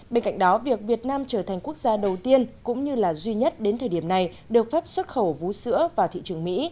bên cạnh đó việc việt nam trở thành quốc gia đầu tiên cũng như là duy nhất đến thời điểm này được phép xuất khẩu vũ sữa vào thị trường mỹ